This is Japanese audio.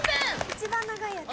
一番長いやつ。